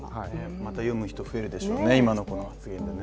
また読む人増えるでしょうね、今の発言でね。